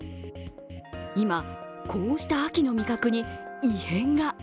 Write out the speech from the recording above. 今、こうした秋の味覚に異変が。